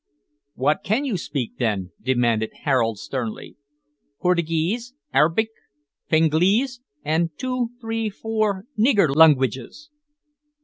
"What can you speak, then?" demanded Harold sternly. "Portigeese, Arbik, Fengleesh, an' two, tree, four, nigger lungwiches."